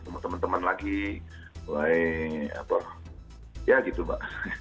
kalau teman teman lagi ya gitu mbak